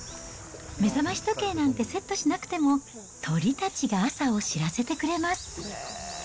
目覚まし時計なんてセットしなくても、鳥たちが朝を知らせてくれます。